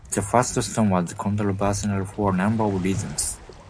"The First Stone" was controversial for a number of reasons.